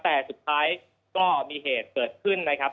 แต่สุดท้ายก็มีเหตุเกิดขึ้นนะครับ